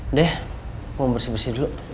udah gue mau bersih bersih dulu